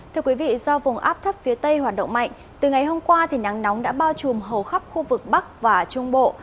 thưa quý vị do vùng áp thấp phía tây hoạt động mạnh từ ngày hôm qua thì nắng nóng đã bao trùm hầu khắp khu vực bắc và trung bộ